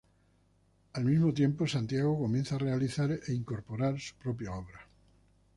Al mismo tiempo Santiago comienza a realizar e incorporar su propia obra.